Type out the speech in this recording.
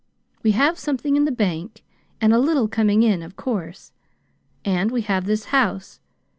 We have something in the bank, and a little coming in, of course. And we have this house.